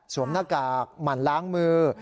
หน้ากากหมั่นล้างมือ